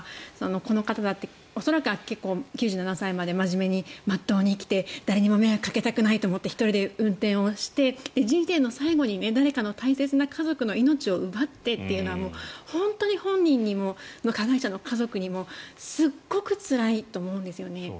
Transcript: この方だって恐らく結構、９７歳まで真面目に真っ当に生きて誰にも迷惑をかけたくないと思って１人で運転をして人生の最後に誰かの大切な命を奪ってというのは本当に本人にも加害者の家族にもすごくつらいと思うんですよね。